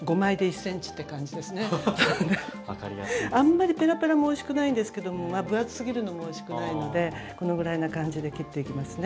あんまりペラペラもおいしくないんですけども分厚すぎるのもおいしくないのでこのぐらいな感じで切っていきますね。